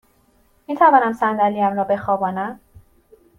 می توانم صندلی ام را بخوابانم؟